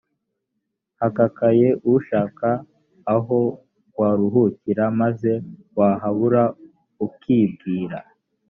hakakaye ushaka aho waruhukira maze wahabura ukibwira